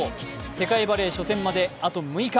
世界バレー初戦まであと６日。